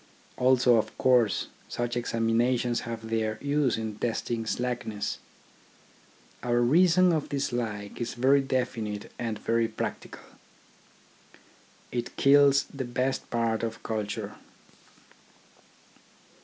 Also, of course, such examinations have their use in testing slackness. Our reason of dislike is very definite and very practical. It kills the best part of culture.